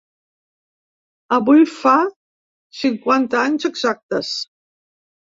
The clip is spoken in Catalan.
Avui fa cinquanta anys exactes.